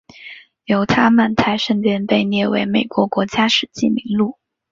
犹他曼泰圣殿被列入美国国家史迹名录。